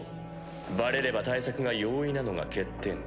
バレれば対策が容易なのが欠点か。